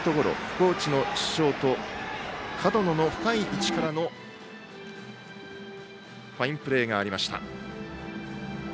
高知の門野の深い位置からのファインプレーがありました。